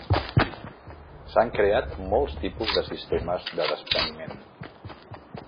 S'han creat molts tipus de sistemes de despreniment.